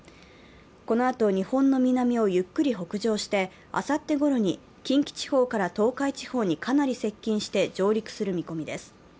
このあと日本の南をゆっくり北上してあさってごろに近畿地方から東海地方にかなり接近して上陸する見込みです。